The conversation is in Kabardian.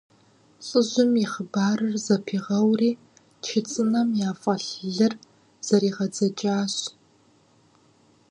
ЛӀыжьым и хъыбарыр зэпигъэури, чы цӀынэхэм яфӀэлъ лыр зэригъэдзэкӀащ.